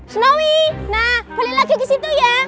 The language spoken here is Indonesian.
snow nah balik lagi ke situ ya